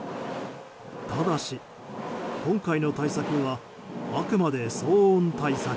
ただし、今回の対策はあくまで騒音対策。